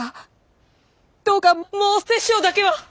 どうかもう殺生だけは。